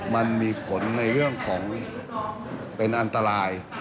มันมีผลในเรื่องของเป็นอันตราย